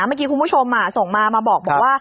เมื่อกี้คุณผู้ชมส่งมามาบอกว่า